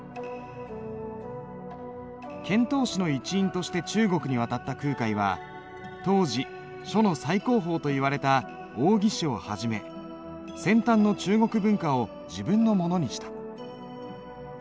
遣唐使の一員として中国に渡った空海は当時書の最高峰といわれた王羲之をはじめ先端の中国文化を自分のものにした。